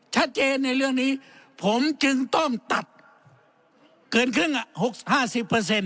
ชัดเจนในเรื่องนี้ผมจึงต้องตัดเกินครึ่งอ่ะหกห้าสิบเปอร์เซ็นต์